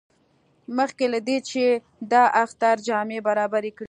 مخکې له دې چې د اختر جامې برابرې کړي.